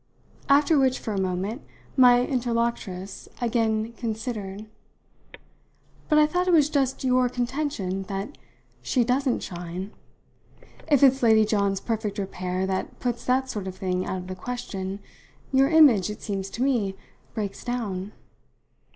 After which, for a moment, my interlocutress again considered. "But I thought it was just your contention that she doesn't shine. If it's Lady John's perfect repair that puts that sort of thing out of the question, your image, it seems to me, breaks down."